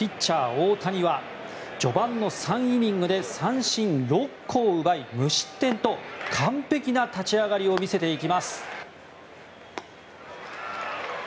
大谷は序盤の３イニングで三振６個を奪い無失点と完璧な立ち上がりを見せていきます。